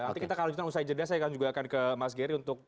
nanti kita kalau kita usai jadinya saya juga akan ke mas gery untuk